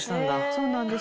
そうなんです。